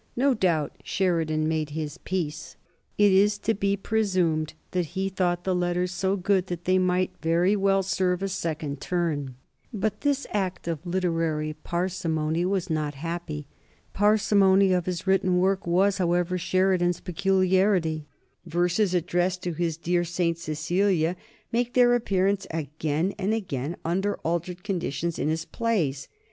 No doubt Sheridan made his peace. It is to be presumed that he thought the letters so good that they might very well serve a second turn; but this act of literary parsimony was not happy. Parsimony of his written work was, however, Sheridan's peculiarity. Verses addressed to his dear St. Cecilia make their appearance again and again, under altered conditions, in his plays.